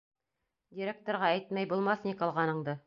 Директорға әйтмәй булмаҫ ни ҡылғаныңды!